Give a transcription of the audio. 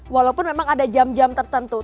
walaupun memang ada jam jam tertentu